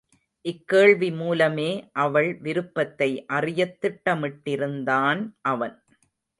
இக் கேள்வி மூலமே அவள் விருப்பத்தை அறியத் திட்டமிட்டிருந்தான் அவன்.